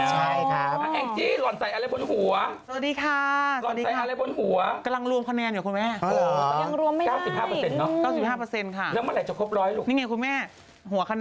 อะไรนะครับคุณประแทนพี่เมียเหรอครับพี่เมียใช่ครับ